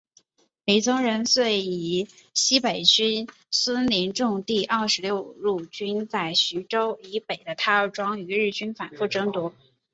李宗仁遂以西北军孙连仲第二十六路军在徐州以北的台儿庄与日军反复争夺。